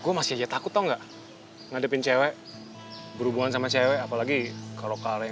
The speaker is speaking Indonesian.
gue masih aja takut enggak ngadepin cewek berhubungan sama cewek apalagi kalau kalian